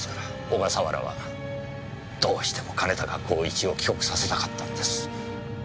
小笠原はどうしても兼高公一を帰国させたかったんです。